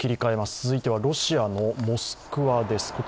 続いてはロシアのモスクワです。